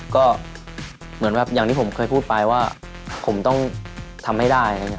ก็เหมือนแบบอย่างที่ผมเคยพูดไปว่าผมต้องทำให้ได้